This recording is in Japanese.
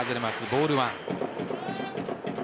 ボール１。